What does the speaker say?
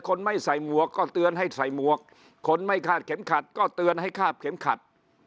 คนไม่ใส่หมวกก็เตือนให้ใส่หมวกคนไม่คาดเข็มขัดก็เตือนให้คาบเข็มขัด